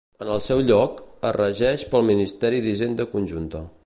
En el seu lloc, es regeix pel Ministeri d'Hisenda conjunta.